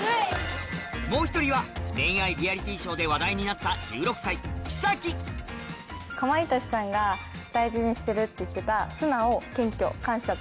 もう１人は恋愛リアリティショーで話題になった１６歳季咲かまいたちさんが大事にしてるって言ってた。